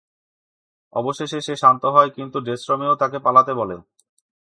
অবশেষে সে শান্ত হয়, কিন্তু ডেসরমেও তাকে পালাতে বলে।